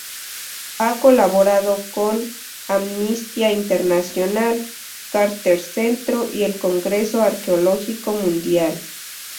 Ha colaborado con Amnistía Internacional, Carter Centro y el Congreso Arqueológico Mundial.